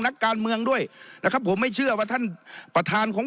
นักการเมืองด้วยนะครับผมไม่เชื่อว่าท่านประธานของ